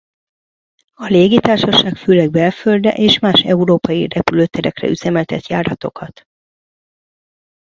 A légitársaság főleg belföldre és más európai repülőterekre üzemeltet járatokat.